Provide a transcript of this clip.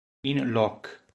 In Loc.